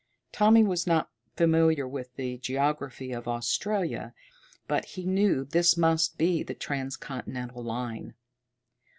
Tommy was not familiar with the geography of Australia, but he knew this must be the transcontinental line.